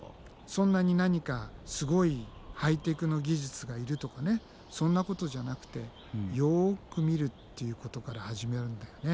そんなに何かすごいハイテクの技術がいるとかねそんなことじゃなくてよく見るっていうことから始めるんだよね。